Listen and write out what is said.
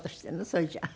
それじゃあ。